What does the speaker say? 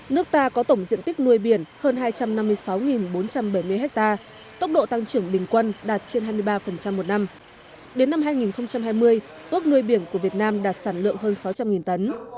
nước ta có tổng diện tích nuôi biển hơn hai trăm năm mươi sáu bốn trăm bảy mươi ha tốc độ tăng trưởng bình quân đạt trên hai mươi ba một năm đến năm hai nghìn hai mươi ước nuôi biển của việt nam đạt sản lượng hơn sáu trăm linh tấn